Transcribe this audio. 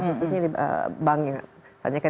khususnya bank yang